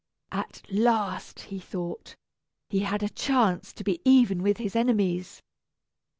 At last, he thought, he had a chance to be even with his enemies.